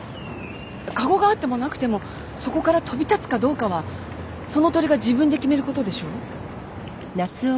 籠があってもなくてもそこから飛び立つかどうかはその鳥が自分で決めることでしょ？